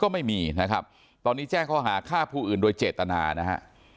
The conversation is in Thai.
ไม่มีนะครับตอนนี้แจ้งข้อหาฆ่าผู้อื่นโดยเจตนานะฮะ